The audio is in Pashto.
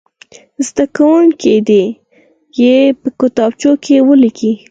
زده کوونکي دې یې په کتابچو کې ولیکي.